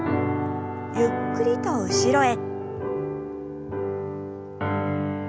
ゆっくりと後ろへ。